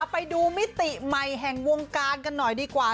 กลับไปดูมิติใหม่แห่งวงการกันหน่อยดีกว่า